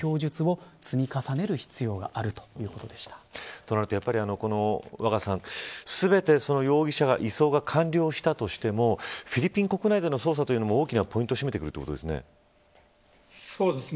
となると、やっぱり若狭さん全て容疑者の移送が完了したとしてもフィリピン国内での捜査というのも大きなポイントをそうですね。